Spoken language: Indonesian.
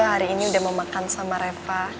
hari ini udah mau makan sama reva